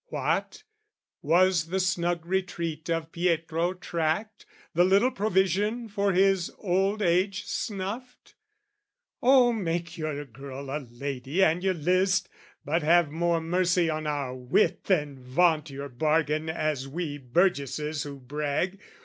What, was the snug retreat of Pietro tracked, The little provision for his old age snuffed? "Oh, make your girl a lady, an you list, "But have more mercy on our wit than vaunt "Your bargain as we burgesses who brag!